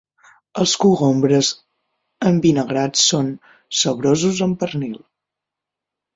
Els cogombres envinagrats són saborosos amb pernil.